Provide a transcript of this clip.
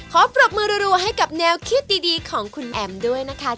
ขอปรบมือรัวให้กับแนวคิดดีของคุณแอมด้วยนะคะ